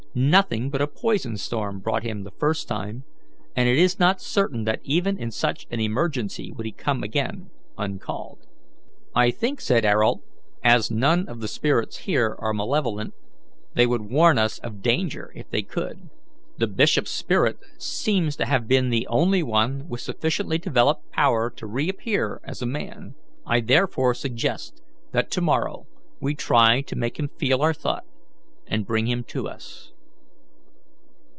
Nothing but a poison storm brought him the first time, and it is not certain that even in such an emergency would he come again uncalled." "I think," said Ayrault, "as none of the spirits here are malevolent, they would warn us of danger if they could. The bishop's spirit seems to have been the only one with sufficiently developed power to reappear as a man. I therefore suggest that to morrow we try to make him feel our thought and bring him to us."